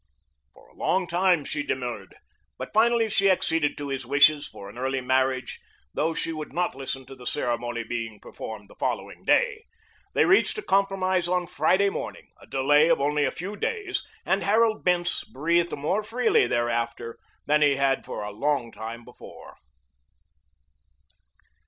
For a long time she demurred, but finally she acceded to his wishes, for an early marriage, though she would not listen to the ceremony being performed the following day. They reached a compromise on Friday morning, a delay of only a few days, and Harold Bince breathed more freely thereafter than he had for a long time before.